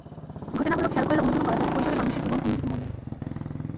ঘটনাগুলো খেয়াল করলে অনুধাবন করা যায়, কৈশোরে মানুষের জীবন অন্যদিকে মোড় নেয়।